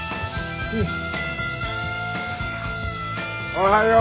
おはよう！